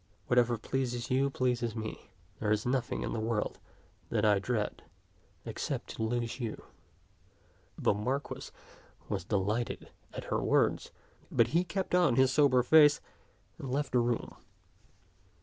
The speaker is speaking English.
Whatever pleases you pleases me. There is nothing in the world that I dread except to lose you." The Marquis was delighted at her w^ords, but he kept on his sober face, and left the room.